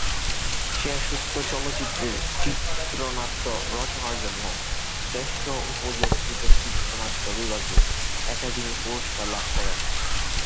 শেষোক্ত চলচ্চিত্রের চিত্রনাট্য রচনার জন্য শ্রেষ্ঠ উপযোগকৃত চিত্রনাট্য বিভাগে একাডেমি পুরস্কার লাভ করেন।